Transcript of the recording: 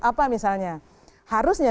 apa misalnya harusnya